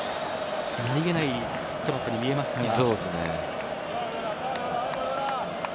何気ないトラップに見えましたが。